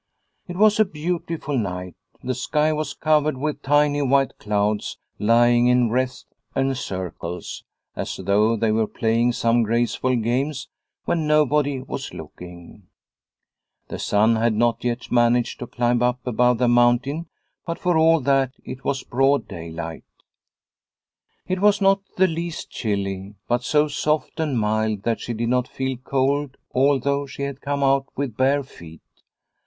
It was a beautiful night. The sky was covered with tiny white clouds lying in wreaths and circles as though they were playing some grace ful games when nobody was looking. The sun had not yet managed to climb up above the mountain, but for all that it was broad daylight. 250 The Water Spirits in Lovdala 251 It was not the least chilly, but so soft and mild that she did not feel cold although she had come out with bare feet.